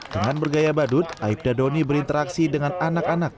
dengan bergaya badut aibda doni berinteraksi dengan anak anak